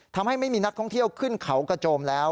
ทำให้ไม่มีนักท่องเที่ยวขึ้นเขากระโจมแล้ว